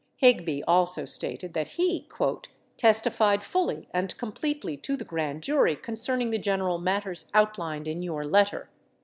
Higby also stated that he "testified fully and completely to the grand jury concerning the general matters outlined in your letter."